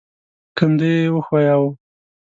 کندو يې وښوياوه.